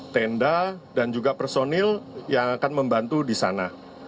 tenda dan juga personil yang akan membantu di sana